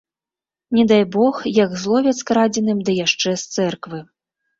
Не дай бог, як зловяць з крадзеным ды яшчэ з цэрквы.